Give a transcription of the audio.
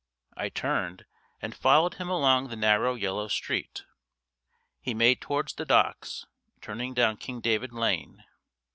I turned, and followed him along the narrow yellow street. He made towards the Docks, turning down King David Lane.